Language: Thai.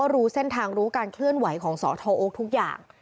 รู้เส้นทางรู้เกิดของของพวกสทโอ๊คทุกอย่าง